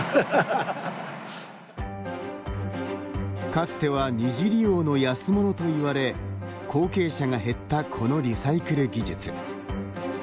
かつては２次利用の安物といわれ後継者が減ったこのリサイクル技術。